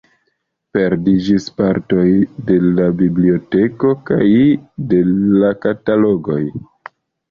Perdiĝis partoj de la biblioteko kaj de la katalogoj.